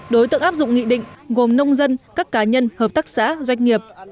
đối tượng áp dụng nghị định gồm nông dân các cá nhân hợp tác xã doanh nghiệp